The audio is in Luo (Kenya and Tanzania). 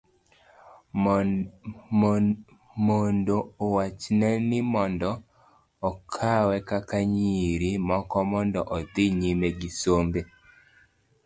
mondo owachne ni mondo okawe kaka nyiri moko mondo odhi nyime gi sombe